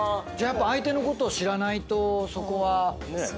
やっぱ相手のことを知らないとそこは。